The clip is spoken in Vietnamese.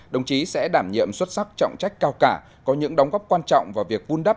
đồng chí sẽ đảm nhiệm xuất sắc trọng trách cao cả có những đóng góp quan trọng vào việc vun đắp